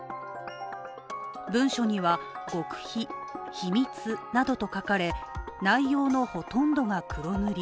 文書には「極秘」、「秘密」などと書かれ、内容のほとんどが黒塗り。